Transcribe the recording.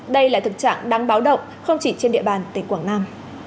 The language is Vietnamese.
đây là thực trạng đáng báo động không chỉ trên địa bàn tỉnh quảng nam